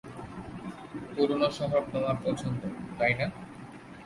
পুরানো শহর তোমার পছন্দ না, তাই না?